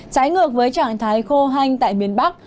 trái ngược với trạng thái khô hanh tại miền bắc